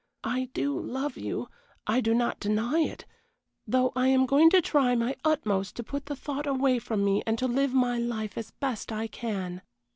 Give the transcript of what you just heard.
I do love you I do not deny it though I am going to try my utmost to put the thought away from me and to live my life as best I can.